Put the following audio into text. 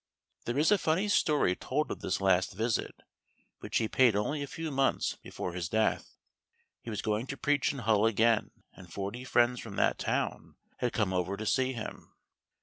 There is a funny story told of this last visit, which he paid only a few months before his death. He was going to preach in Hull again, and forty friends from that town had come over to see him.